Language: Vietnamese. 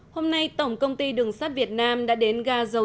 hôm nay tổng công ty đường sát việt nam đã đến gà dầu